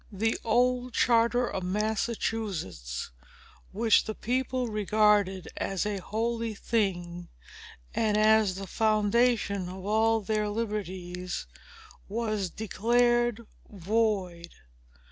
The old charter of Massachusetts, which the people regarded as a holy thing, and as the foundation of all their liberties, was declared void.